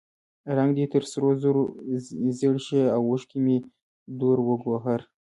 رنګ دې تر سرو زرو زیړ شي او اوښکې مې دُر و ګوهر.